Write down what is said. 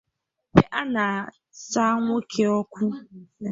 ebe a na-acha nwoke ọkụ